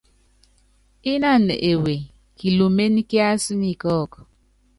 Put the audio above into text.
Ínánɔ ewe kilúméne kiású nyi kɔ́ɔ́kɔ.